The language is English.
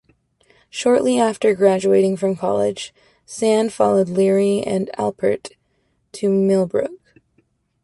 Shortly after graduating from college, Sand followed Leary and Alpert to Millbrook.